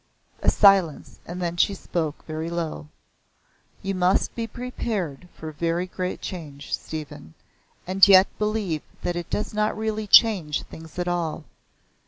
A silence, and then she spoke, very low. "You must be prepared for very great change, Stephen, and yet believe that it does not really change things at all.